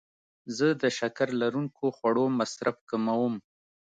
زه د شکر لرونکو خوړو مصرف کموم.